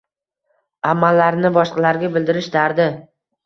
Amallarini boshqalarga bildirish dardi.